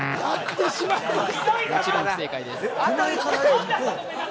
もちろん不正解です。